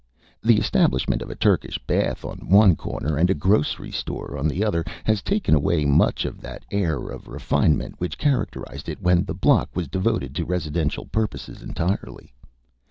The establishment of a Turkish bath on one corner and a grocery store on the other has taken away much of that air of refinement which characterized it when the block was devoted to residential purposes entirely.